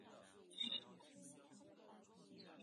秦彦和毕师铎也加入了秦宗衡军。